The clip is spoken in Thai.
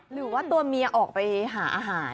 หรือว่าตัวเมียออกไปหาอาหาร